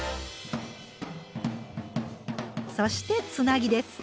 そしてつなぎです。